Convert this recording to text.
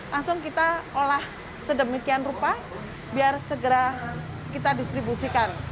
langsung kita olah sedemikian rupa biar segera kita distribusikan